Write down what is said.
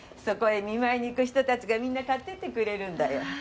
そこへ見舞いに行く人たちがみんな買ってってくれるんだよ。